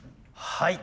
はい。